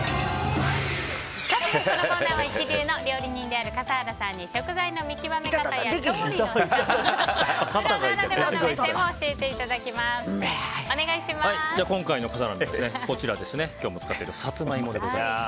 このコーナーは一流の料理人である笠原さんに食材の見極め方や調理の仕方などプロならではの目線を今回の笠原の眼は今日も使っているサツマイモでございます。